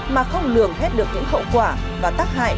mà không lường hết được những hậu quả và tác hại